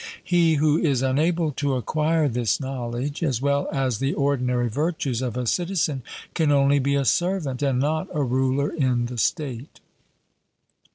He who is unable to acquire this knowledge, as well as the ordinary virtues of a citizen, can only be a servant, and not a ruler in the state.